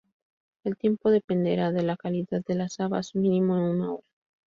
El tiempo dependerá de la calidad de las habas: mínimo, una hora.